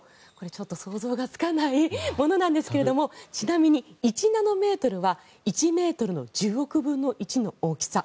ちょっと想像がつかないものなんですがちなみに１ナノメートルは１ｍの１０億分の１の大きさ。